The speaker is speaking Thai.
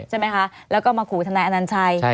ใช่ไหมคะแล้วก็มาขู่ทนายอนัญชัย